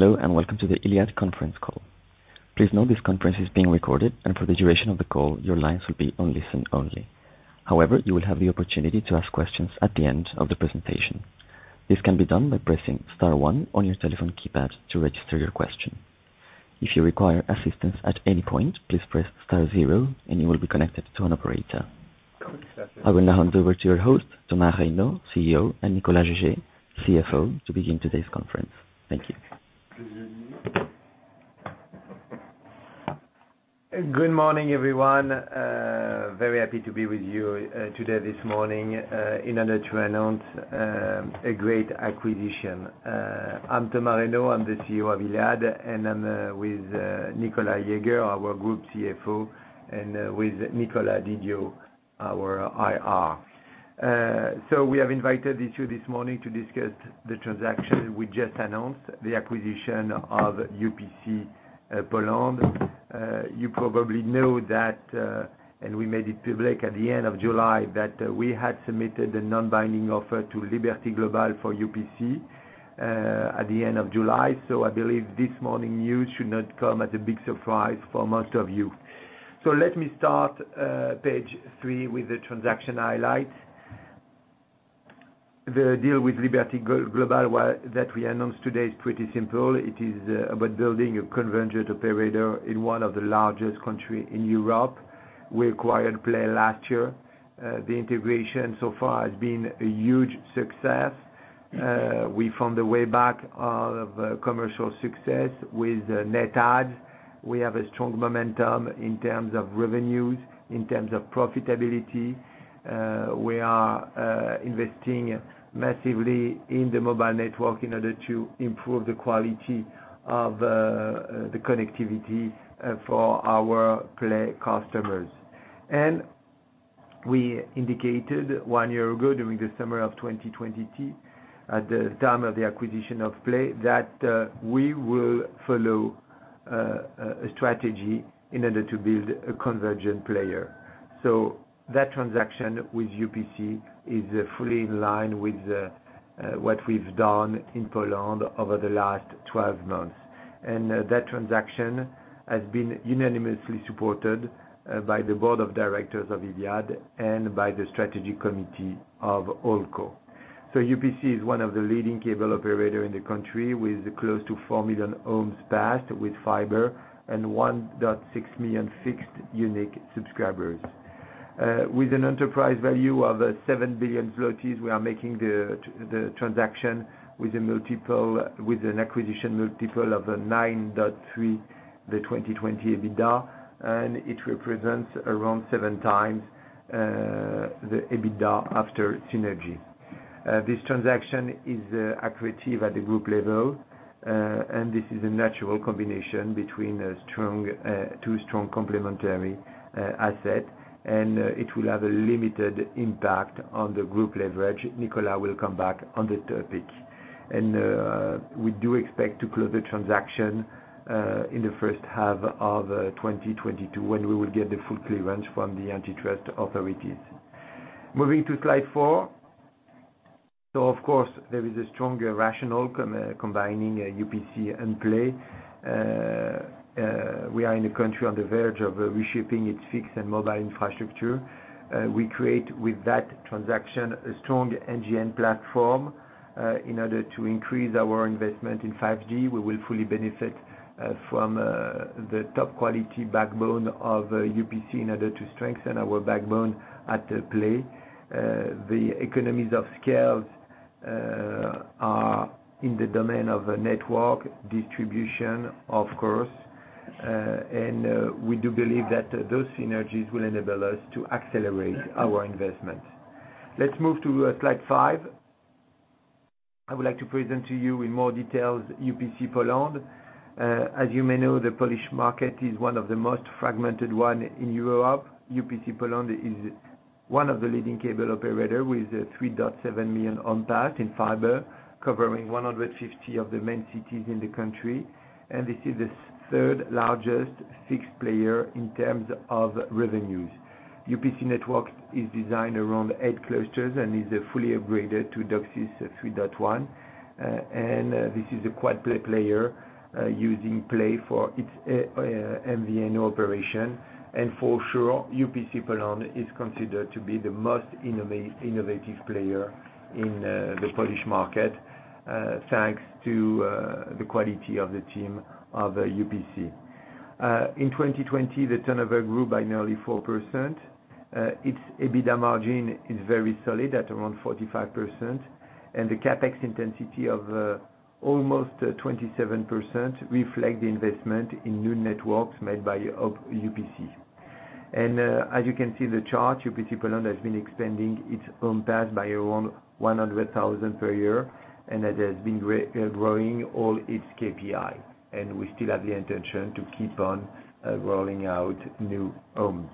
Hello, welcome to the Iliad conference call. Please note this conference is being recorded, and for the duration of the call, your lines will be on listen only. However, you will have the opportunity to ask questions at the end of the presentation. This can be done by pressing star one on your telephone keypad to register your question. If you require assistance at any point, please press star zero and you will be connected to an operator. I will now hand over to your host, Thomas Reynaud, CEO, and Nicolas Jaeger, CFO, to begin today's conference. Thank you. Good morning, everyone. Very happy to be with you today this morning in order to announce a great acquisition. I'm Thomas Reynaud. I'm the CEO of Iliad, and I'm with Nicolas Jaeger, our group CFO, and with Nicolas Didio, our IR. We have invited you to this morning to discuss the transaction we just announced, the acquisition of UPC Poland. You probably know that, and we made it public at the end of July, that we had submitted a non-binding offer to Liberty Global for UPC, at the end of July. I believe this morning's news should not come as a big surprise for most of you. Let me start page three with the transaction highlights. The deal with Liberty Global that we announced today is pretty simple. It is about building a convergent operator in one of the largest country in Europe. We acquired Play last year. The integration so far has been a huge success. We found a way back of commercial success with net adds. We have a strong momentum in terms of revenues, in terms of profitability. We are investing massively in the mobile network in order to improve the quality of the connectivity for our Play customers. We indicated one year ago, during the summer of 2022, at the time of the acquisition of Play, that we will follow a strategy in order to build a convergent player. That transaction with UPC is fully in line with what we've done in Poland over the last 12 months. That transaction has been unanimously supported by the board of directors of Iliad and by the strategy committee of Holdco. UPC is one of the leading cable operator in the country, with close to 4 million homes passed with fiber and 1.6 million fixed unique subscribers. With an enterprise value of 7 billion zlotys, we are making the transaction with an acquisition multiple of 9.3x the 2020 EBITDA, and it represents around 7x the EBITDA after synergy. This transaction is accretive at the group level. This is a natural combination between two strong complementary asset, and it will have a limited impact on the group leverage. Nicolas will come back on the topic. We do expect to close the transaction in the first half of 2022, when we will get the full clearance from the antitrust authorities. Moving to slide four. Of course, there is a strong rationale combining UPC and Play. We are in a country on the verge of reshaping its fixed and mobile infrastructure. We create with that transaction a strong NGN platform in order to increase our investment in 5G. We will fully benefit from the top quality backbone of UPC in order to strengthen our backbone at Play. The economies of scale are in the domain of network distribution, of course. We do believe that those synergies will enable us to accelerate our investment. Let's move to slide five. I would like to present to you in more detail UPC Poland. As you may know, the Polish market is one of the most fragmented one in Europe. UPC Poland is one of the leading cable operators, with 3.7 million on-net in fiber, covering 150 of the main cities in the country. This is the third largest fixed player in terms of revenues. UPC network is designed around eight clusters and is fully upgraded to DOCSIS 3.1. This is a quad play player using Play for its MVNO operation. For sure, UPC Poland is considered to be the most innovative player in the Polish market, thanks to the quality of the team of UPC. In 2020, the turnover grew by nearly 4%. Its EBITDA margin is very solid at around 45%, and the CapEx intensity of almost 27% reflect the investment in new networks made by UPC. As you can see in the chart, UPC Poland has been expanding its own path by around 100,000 per year and it has been growing all its KPI. We still have the intention to keep on rolling out new homes.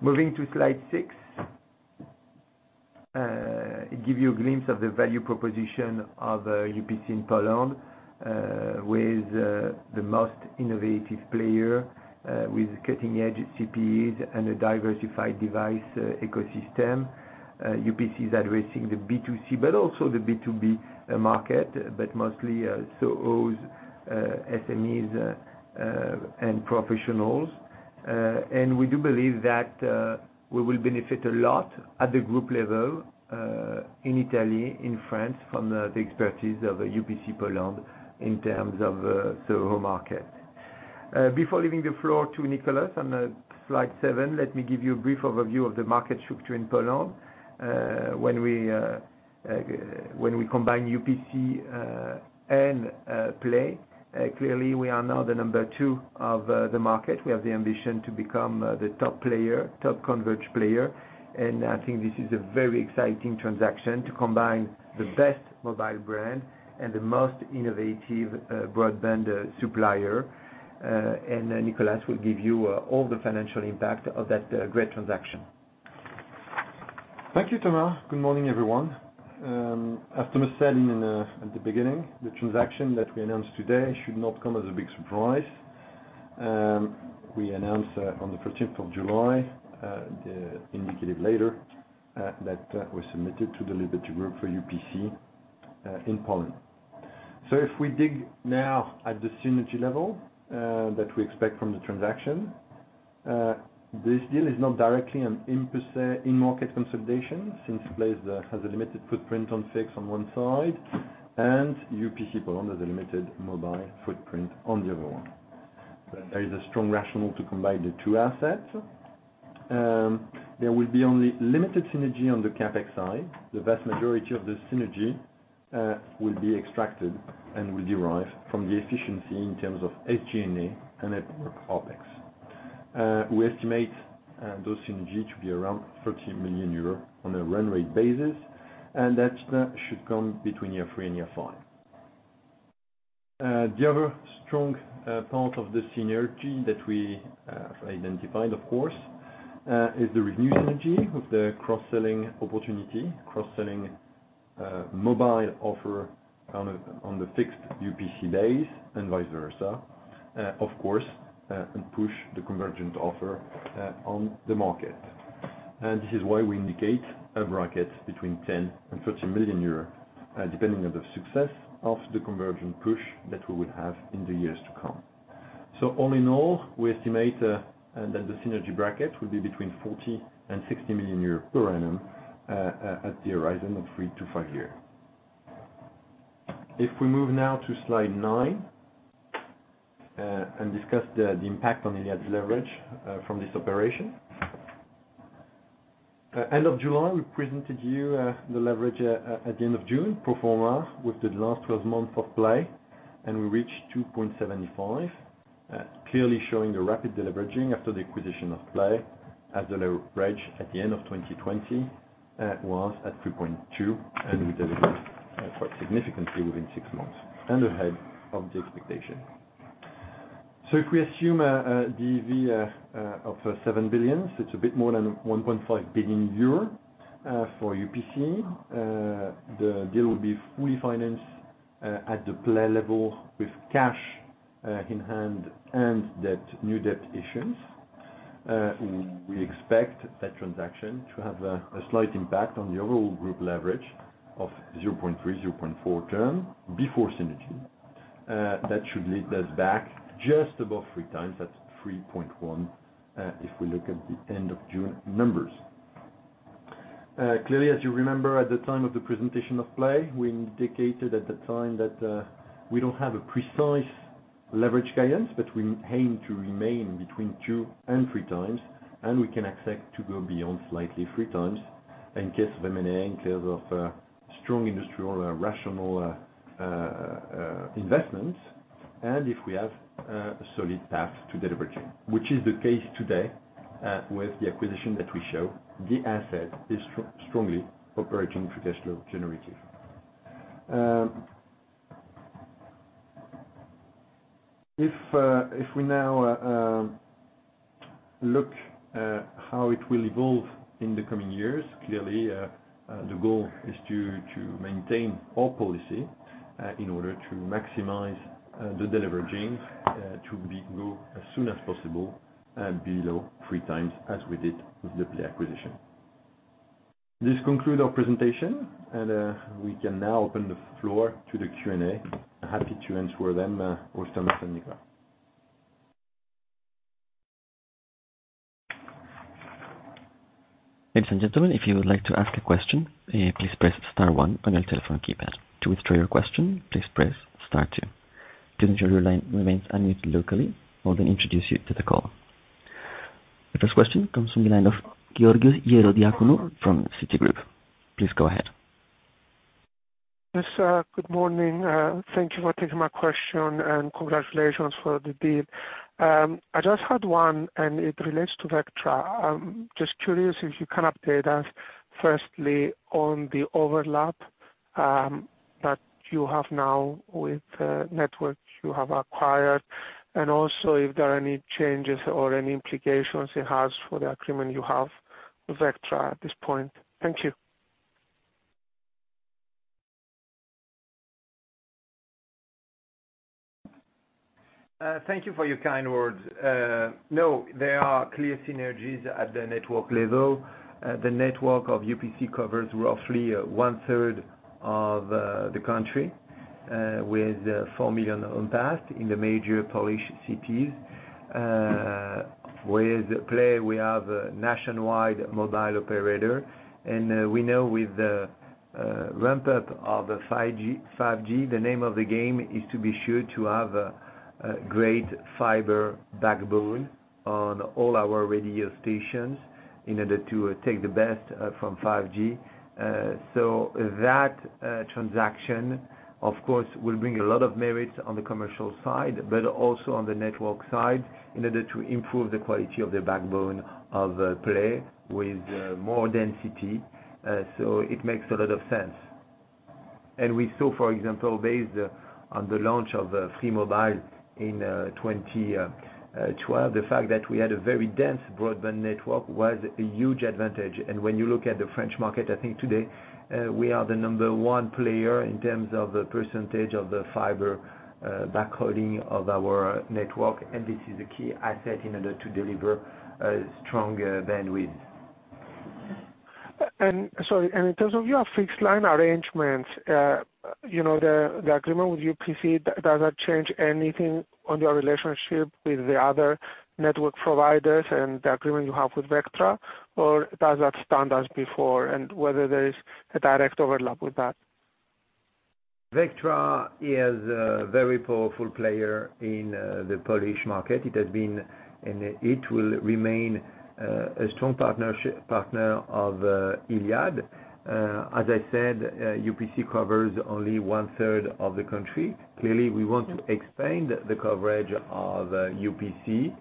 Moving to slide six. Give you a glimpse of the value proposition of UPC Poland with the most innovative player, with cutting edge CPEs and a diversified device ecosystem. UPC is addressing the B2C, but also the B2B market, but mostly SOHOs, SMEs, and professionals. We do believe that we will benefit a lot at the group level, in Italy, in France, from the expertise of UPC Poland in terms of the overall market. Before leaving the floor to Nicolas, on slide seven, let me give you a brief overview of the market structure in Poland. When we combine UPC and Play, clearly we are now the number two of the market. We have the ambition to become the top converge player, and I think this is a very exciting transaction to combine the best mobile brand and the most innovative broadband supplier. Nicolas will give you all the financial impact of that great transaction. Thank you, Thomas. Good morning, everyone. As Thomas said at the beginning, the transaction that we announced today should not come as a big surprise. We announced on the 13th of July, the indicative letter, that was submitted to Liberty Global for UPC Poland. If we dig now at the synergy level that we expect from the transaction. This deal is not directly an in-market consolidation since Play has a limited footprint on fixed on one side, and UPC Poland has a limited mobile footprint on the other one. There is a strong rationale to combine the two assets. There will be only limited synergy on the CapEx side. The vast majority of the synergy will be extracted and will derive from the efficiency in terms of SG&A and network OpEx. We estimate those synergy to be around 30 million euros on a run rate basis. That should come between year three and year five. The other strong part of the synergy that we have identified, of course, is the revenue synergy of the cross-selling opportunity. Cross-selling mobile offer on the fixed UPC base and vice versa, of course. Push the convergent offer on the market. This is why we indicate a bracket between 10 million euros and 13 million euros, depending on the success of the convergent push that we will have in the years to come. All in all, we estimate that the synergy bracket will be between 40 million and 60 million euros per annum at the horizon of three to five years. If we move now to slide nine. Discuss the impact on Iliad's leverage from this operation. End of July, we presented you the leverage at the end of June pro forma with the last 12 months of Play. We reached 2.75x, clearly showing the rapid deleveraging after the acquisition of Play as the leverage at the end of 2020 was at 3.2x. We delivered quite significantly within six months and ahead of the expectation. If we assume the EV of 7 billion zlotys, it's a bit more than 1.5 billion euro for UPC. The deal will be fully financed at the Play level with cash in hand and new debt issues. We expect that transaction to have a slight impact on the overall group leverage of 0.3, 0.4 turn before synergy. That should lead us back just above 3x. That's 3.1x if we look at the end of June numbers. Clearly, as you remember at the time of the presentation of Play, we indicated at the time that we don't have a precise leverage guidance, but we aim to remain between 2x and 3x, and we can accept to go beyond slightly 3x in case of M&A, in case of strong industrial rationale investments. If we have a solid path to deleveraging, which is the case today with the acquisition that we see. The asset is strongly operating free cash flow generative. If we now look how it will evolve in the coming years, clearly, the goal is to maintain our policy in order to maximize the deleveraging to go as soon as possible below 3x as we did with the Play acquisition. This conclude our presentation, and we can now open the floor to the Q&A. Happy to answer them, both Thomas and Nicolas. The first question comes from the line of Georgios Ierodiaconou from Citigroup. Please go ahead. Yes, good morning. Thank you for taking my question and congratulations for the deal. I just had one. It relates to Vectra. I'm just curious if you can update us, firstly, on the overlap that you have now with network you have acquired, also if there are any changes or any implications it has for the agreement you have with Vectra at this point. Thank you. Thank you for your kind words. No, there are clear synergies at the network level. The network of UPC covers roughly one-third of the country, with 4 million on path in the major Polish cities. With Play, we have a nationwide mobile operator. We know with the ramp-up of 5G, the name of the game is to be sure to have a great fiber backbone on all our radio stations in order to take the best from 5G. That transaction, of course, will bring a lot of merits on the commercial side, but also on the network side in order to improve the quality of the backbone of Play with more density. It makes a lot of sense. We saw, for example, based on the launch of Free Mobile in 2012, the fact that we had a very dense broadband network was a huge advantage. When you look at the French market, I think today we are the number 1 player in terms of the percentage of the fiber backhauling of our network. This is a key asset in order to deliver a strong bandwidth. Sorry, in terms of your fixed line arrangements, the agreement with UPC, does that change anything on your relationship with the other network providers and the agreement you have with Vectra? Does that stand as before? Whether there is a direct overlap with that? Vectra is a very powerful player in the Polish market. It has been and it will remain a strong partner of Iliad. As I said, UPC covers only one-third of the country. We want to expand the coverage of UPC,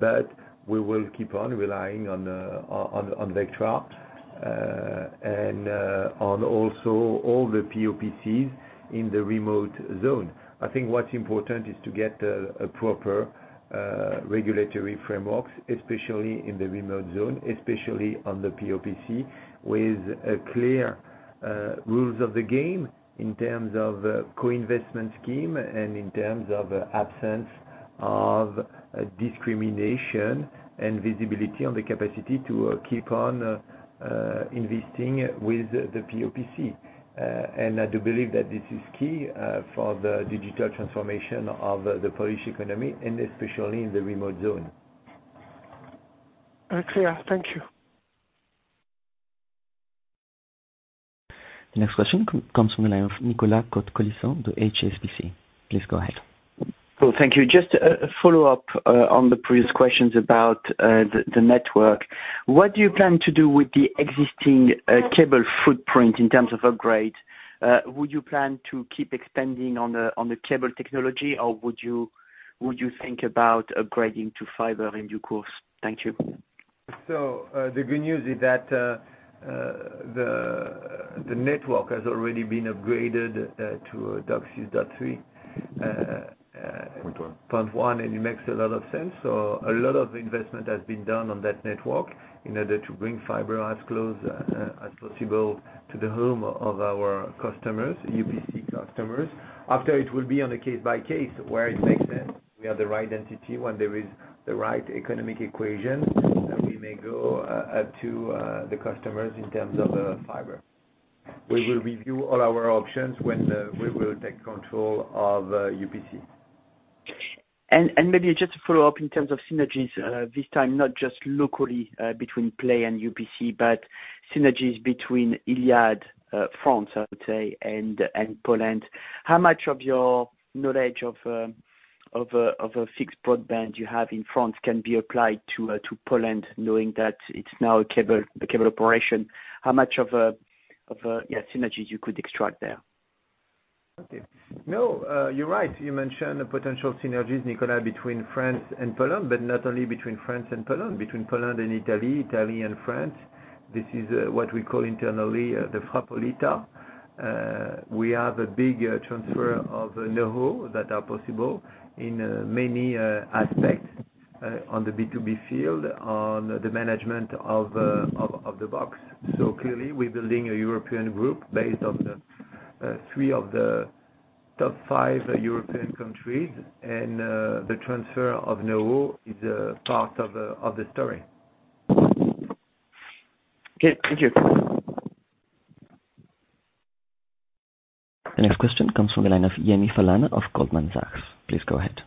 but we will keep on relying on Vectra and on also all the POPCs in the remote zone. I think what's important is to get a proper regulatory frameworks, especially in the remote zone, especially on the POPC, with clear rules of the game in terms of co-investment scheme and in terms of absence of discrimination and visibility on the capacity to keep on investing with the POPC. I do believe that this is key for the digital transformation of the Polish economy and especially in the remote zone. Clear. Thank you. The next question comes from the line of Nicolas Cote-Colisson of HSBC. Please go ahead. Cool. Thank you. Just a follow-up on the previous questions about the network. What do you plan to do with the existing cable footprint in terms of upgrade? Would you plan to keep expanding on the cable technology, or would you think about upgrading to fiber in due course? Thank you. The good news is that the network has already been upgraded to DOCSIS 3.1. It makes a lot of sense. A lot of investment has been done on that network in order to bring fiber as close as possible to the home of our UPC customers. After it will be on a case by case where it makes sense. We have the right entity when there is the right economic equation that we may go up to the customers in terms of fiber. We will review all our options when we will take control of UPC. Maybe just to follow up in terms of synergies this time, not just locally between Play and UPC, but synergies between Iliad France, I would say, and Poland. How much of your knowledge of a fixed broadband you have in France can be applied to Poland, knowing that it's now a cable operation? How much of synergies you could extract there? Okay. No, you're right. You mentioned potential synergies, Nicolas, between France and Poland, but not only between France and Poland. Between Poland and Italy and France. This is what we call internally the Frapolita. We have a big transfer of know-how that are possible in many aspects on the B2B field, on the management of the box. Clearly we're building a European group based on three of the top five European countries. The transfer of know-how is a part of the story. Okay. Thank you. The next question comes from the line of Yemi Falana of Goldman Sachs. Please go ahead.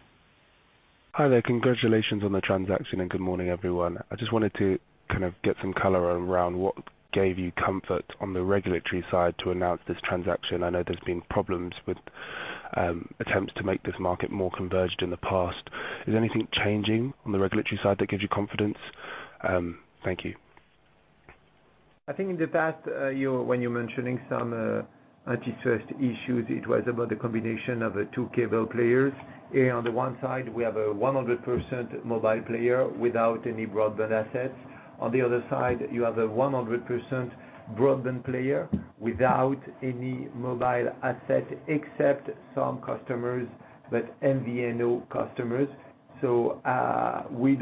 Hi there. Congratulations on the transaction and good morning, everyone. I just wanted to kind of get some color around what gave you comfort on the regulatory side to announce this transaction. I know there's been problems with attempts to make this market more converged in the past. Is anything changing on the regulatory side that gives you confidence? Thank you. I think in the past, when you're mentioning some antitrust issues, it was about the combination of the two cable players. Here on the one side, we have a 100% mobile player without any broadband assets. On the other side, you have a 100% broadband player without any mobile asset except some customers, but MVNO customers. We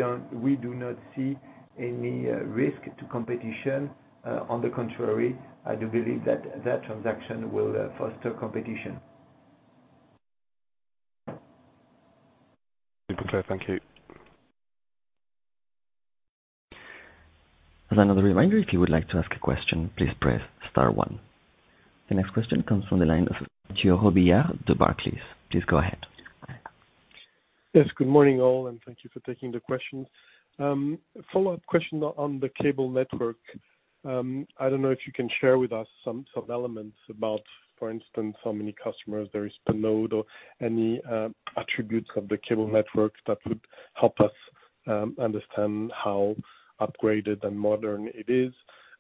do not see any risk to competition. On the contrary, I do believe that that transaction will foster competition. Super clear. Thank you. As another reminder, if you would like to ask a question, please press star one. The next question comes from the line of Mathieu Robilliard of Barclays. Please go ahead. Yes. Good morning, all, and thank you for taking the questions. Follow-up question on the cable network. I don't know if you can share with us some elements about, for instance, how many customers there is per node or any attributes of the cable network that would help us understand how upgraded and modern it is.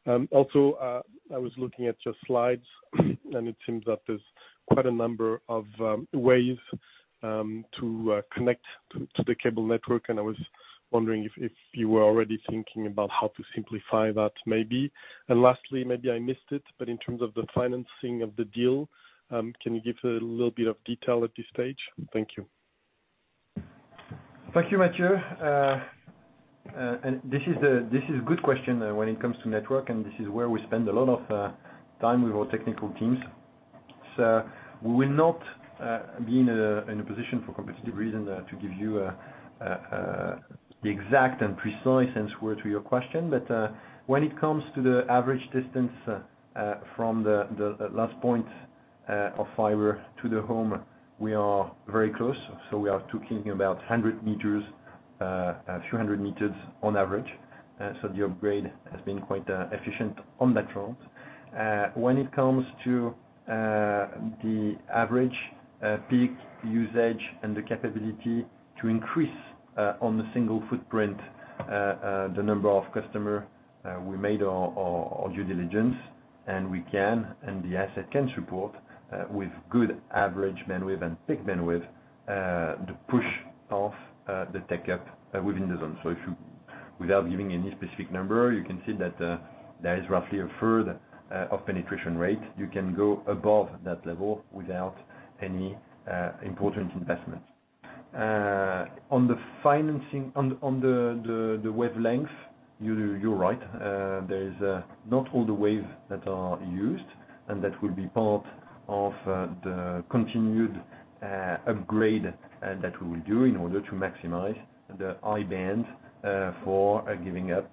I was looking at your slides, and it seems that there's quite a number of ways to connect to the cable network, and I was wondering if you were already thinking about how to simplify that maybe. Lastly, maybe I missed it, but in terms of the financing of the deal, can you give a little bit of detail at this stage? Thank you. Thank you, Mathieu. This is a good question when it comes to network, and this is where we spend a lot of time with our technical teams. We will not be in a position for competitive reasons to give you the exact and precise answer to your question. When it comes to the average distance from the last point of fiber to the home, we are very close. We are talking about 100 meters, a few hundred meters on average. The upgrade has been quite efficient on that front. When it comes to the average peak usage and the capability to increase on a single footprint the number of customer, we made our due diligence, and we can, and the asset can support with good average bandwidth and peak bandwidth, to push off the take up within the zone. Without giving any specific number, you can see that there is roughly a third of penetration rate. You can go above that level without any important investment. On the wavelength, you're right. There is not all the waves that are used, and that will be part of the continued upgrade that we will do in order to maximize the bandwidth for giving up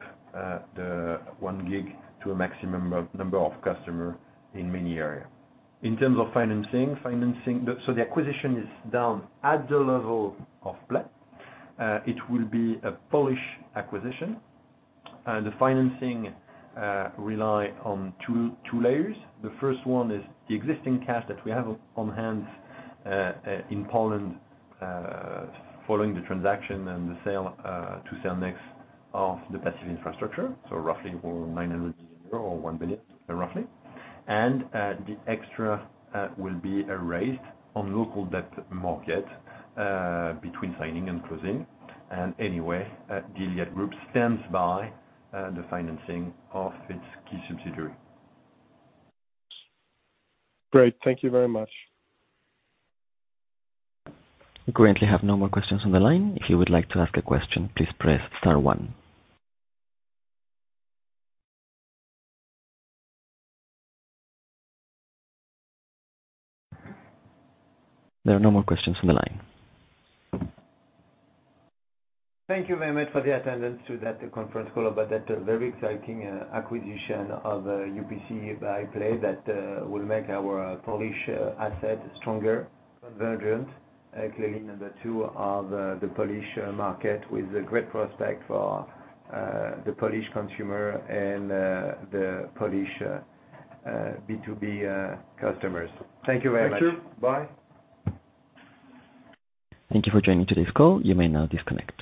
the 1 Gb to a maximum number of customer in many area. In terms of financing. The acquisition is done at the level of Play. It will be a Polish acquisition, and the financing rely on two layers. The first one is the existing cash that we have on hand in Poland following the transaction and the sale to Cellnex of the passive infrastructure. Roughly 900 million euros or 1 billion roughly. The extra will be raised on local debt market between signing and closing. Anyway, Iliad Group stands by the financing of its key subsidiary. Great. Thank you very much. We currently have no more questions on the line. There are no more questions on the line. Thank you very much for the attendance to that conference call about that very exciting acquisition of UPC by Play that will make our Polish asset stronger, convergent. Clearly number two of the Polish market with great prospect for the Polish consumer and the Polish B2B customers. Thank you very much. Thank you. Bye. Thank you for joining today's call. You may now disconnect.